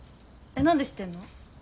何で知ってんの？